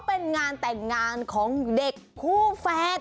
เด็กคู่แฟด